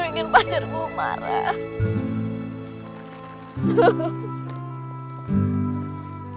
hai aku ingin pacarmu marah